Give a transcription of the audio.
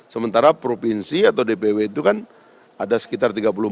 sementara provinsi atau dpw itu kan ada sekitar tiga puluh empat